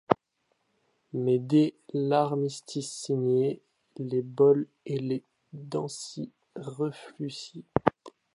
Mais dès l'Armistice signé, les bals et les dancings refleurissent.